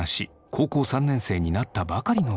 高校３年生になったばかりのこと。